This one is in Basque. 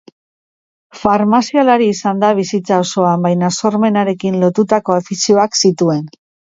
Farmazialari izan da bizitza osoan, baina sormenarekin lotutako afizioak zituen.